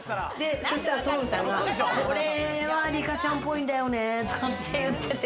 そしたら双雲さんが、これは梨香ちゃんっぽいんだよねとかって言ってて。